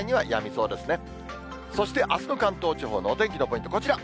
そしてあすの関東地方のお天気のポイント、こちら。